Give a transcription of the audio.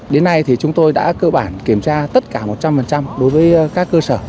đến nay thì chúng tôi đã cơ bản kiểm tra tất cả một trăm linh đối với các cơ sở